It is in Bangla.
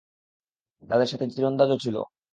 তাদের সাথে তীরন্দাজও ছিল।